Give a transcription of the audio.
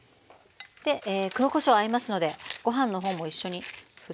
で黒こしょう合いますのでご飯の方も一緒にふって下さい。